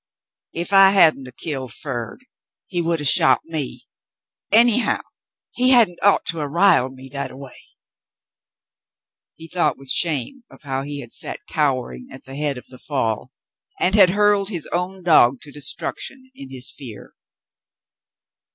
"Ef I hadn't 'a* killed Ferd, he would 'a' shot me. Any how, he hadn't ought to 'a' riled me that a way." He thought with shame of how he had sat cowering at the head of the fall, and had hurled his own dog to destruction, in his fear.